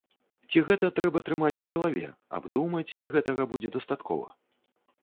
Ці гэта трэба трымаць у галаве, абдумаць, і гэтага будзе дастаткова?